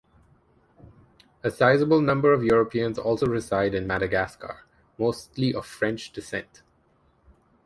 A sizeable number of Europeans also reside in Madagascar, mostly of French descent.